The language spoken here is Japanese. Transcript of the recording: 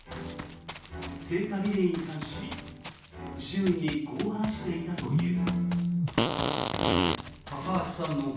聖火リレーに関し周囲にこう話していたという。